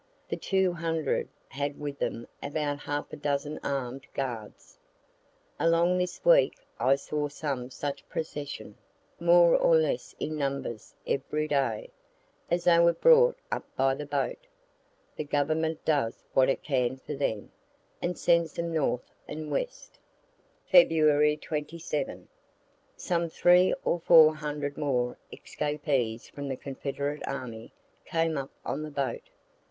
The two hundred had with them about half a dozen arm'd guards. Along this week I saw some such procession, more or less in numbers, every day, as they were brought up by the boat. The government does what it can for them, and sends them north and west. Feb. 27. Some three or four hundred more escapees from the confederate army came up on the boat.